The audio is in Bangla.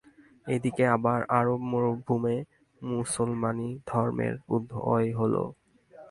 এদিকে আবার আরব মরুভূমে মুসলমানী ধর্মের উদয় হল।